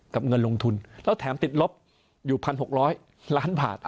เงินลงทุนแล้วแถมติดลบอยู่๑๖๐๐ล้านบาท